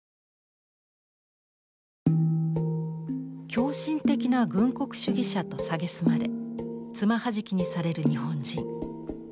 「狂信的な軍国主義者」と蔑まれ爪はじきにされる日本人。